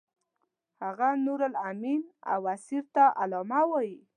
هغه نورالامین او اسیر ته علامه ویل.